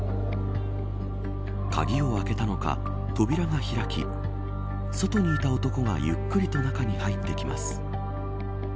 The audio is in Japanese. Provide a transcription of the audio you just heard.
鍵を開けたのか扉が開き外にいた男がゆっくりと中に入ってきます。